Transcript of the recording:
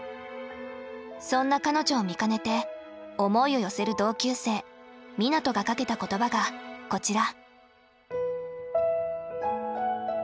そんな彼女を見かねて思いを寄せる同級生湊斗がかけた言葉がこちら。